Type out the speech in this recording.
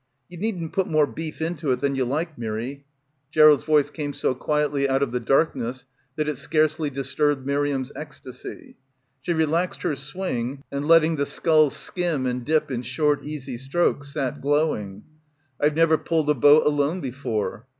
"You needn't put more beef into it than you like, Mirry." Gerald's voice came so quietly out of the darkness that it scarcely disturbed Miriam's ecstasy. She relaxed her swing, and letting the sculls skim and dip in short easy strokes, sat glowing. "Pve never pulled a boat alone before."